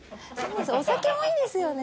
お酒もいいですよね